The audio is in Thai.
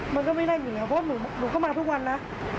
มันก็ไม่ได้เหมือนกันเพราะว่าหนูก็มาทุกวันนะ